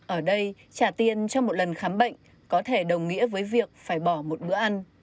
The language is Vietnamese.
ở đây trả tiền cho một lần khám bệnh có thể đồng nghĩa với việc phải bỏ một bữa ăn